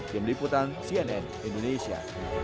tim liputan cnn indonesia